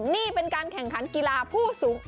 นี่เป็นการแข่งขันกีฬาผู้สูง